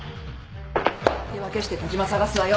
手分けして田島捜すわよ。